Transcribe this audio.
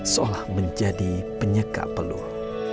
seolah menjadi penyeka peluh